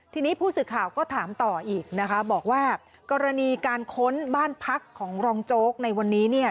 ทีนี้ผู้สื่อข่าวก็ถามต่ออีกนะคะบอกว่ากรณีการค้นบ้านพักของรองโจ๊กในวันนี้เนี่ย